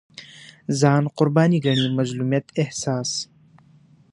ځان قرباني ګڼي مظلومیت احساس